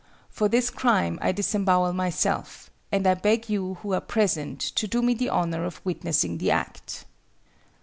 For this crime I disembowel myself, and I beg you who are present to do me the honor of witnessing the act.